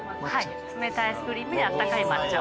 冷たいアイスクリームにあったかい抹茶を。